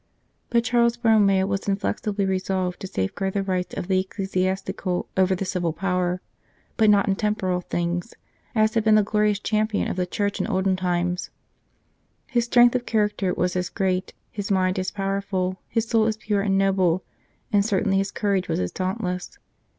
But Charles Borromeo was as inflexibly resolved to safeguard the rights of the ecclesiastical over the civil power but not in temporal things as had been the glorious Champion of the Church in olden times. His strength of character was as great, his mind as powerful, his soul as pure and noble, and certainly his courage was as dauntless.